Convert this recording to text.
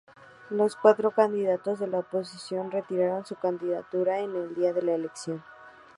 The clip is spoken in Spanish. Los cuatro candidatos de la oposición retiraron su candidatura el día de la elección.